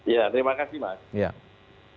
ya terima kasih mas